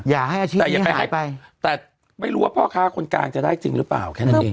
ให้อาชีพแต่อย่าไปหายไปแต่ไม่รู้ว่าพ่อค้าคนกลางจะได้จริงหรือเปล่าแค่นั้นเอง